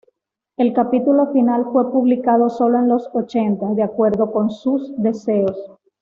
El capítulo final fue publicado solo en los ochenta, de acuerdo con sus deseos.